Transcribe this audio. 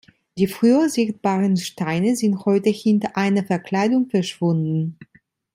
Die früher sichtbaren Steine sind heute hinter einer Verkleidung verschwunden.